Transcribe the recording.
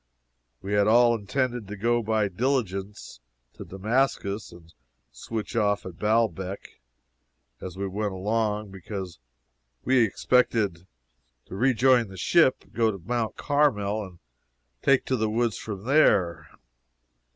We had all intended to go by diligence to Damascus, and switch off to Baalbec as we went along because we expected to rejoin the ship, go to Mount Carmel, and take to the woods from there.